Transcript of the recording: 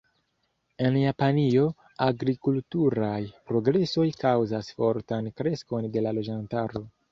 En Japanio, agrikulturaj progresoj kaŭzas fortan kreskon de la loĝantaro.